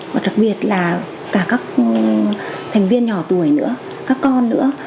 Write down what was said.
và đặc biệt là cả các thành viên nhỏ tuổi nữa các con nữa